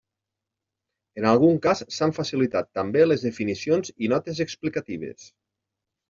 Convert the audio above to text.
En algun cas s'han facilitat també les definicions i notes explicatives.